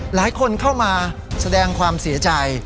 หลายคนเข้ามาแสดงความเสียใจ